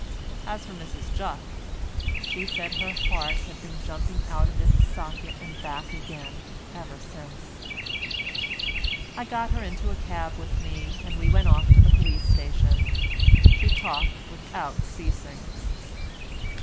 As for Mrs Jupp, she said her heart had been jumping out of its socket and back again ever since. I got her into a cab with me, and we went off to the police station. She talked without ceasing.